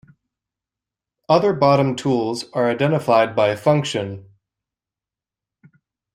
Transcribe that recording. Other bottom tools are identified by function.